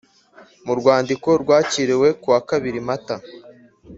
mu rwandiko rwakiriwe kuwa kabiri Mata